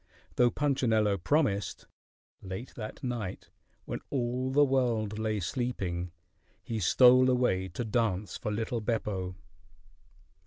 Though Punchinello promised, late that night, when all the world lay sleeping, he stole away to dance for little Beppo.